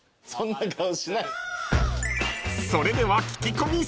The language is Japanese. ［それでは］